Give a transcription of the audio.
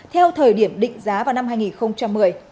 theo thời điểm định giá vào năm hai nghìn một mươi